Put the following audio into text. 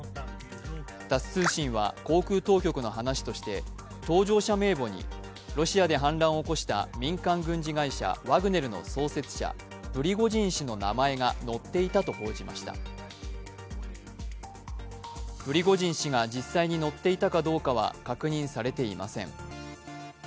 タス通信は航空当局の話として搭乗者名簿にロシアで反乱を起こした民間軍事会社ワグネル創設者、プリゴジン氏の名前が載っていたと報じましたプリゴジン氏が実際に乗っていたかどうかは確認されていません。